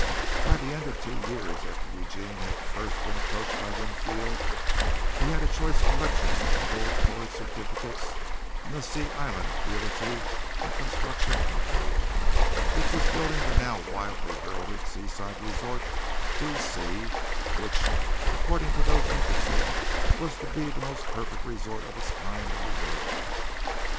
By the end of two years after Eugene had first been approached by Winfield he had a choice collection of gold colored certificates in the Sea Island Realty and Construction Company, which was building the now widely heralded seaside resort "Blue Sea" which, according to those interested, was to be the most perfect resort of its kind in the world.